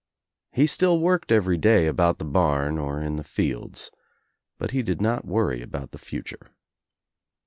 He still worked every day about the barn or in the fields but he did not worry about the future.